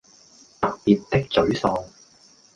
特別的沮喪